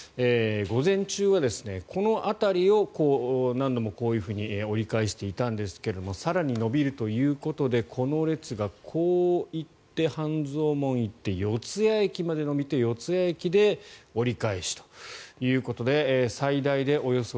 午前中はこの辺りを何度もこういうふうに折り返していたんですが更に延びるということでこの列がこう行って半蔵門に行って四ツ谷駅まで延びて四ツ谷駅で折り返しということで最大でおよそ５ｋｍ